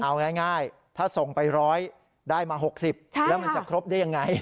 เอาง่ายถ้าส่งไป๑๐๐ได้มา๖๐แล้วมันจะครบได้ยังไง